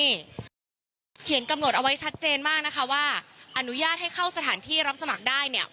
นี่เขียนกำหนดเอาไว้ชัดเจนมากนะคะว่าอนุญาตให้เข้าสถานที่รับสมัครได้เนี่ย